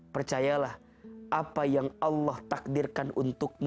percayalah apa yang allah takdirkan untukmu